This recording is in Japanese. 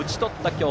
今日